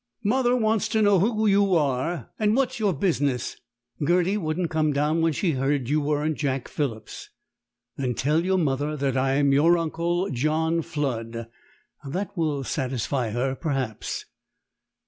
"Mother wants to know who you are and what's your business. Gerty wouldn't come down when she heard you weren't Jack Phillips." "Then tell your mother that I am your uncle, John Flood. That will satisfy her, perhaps."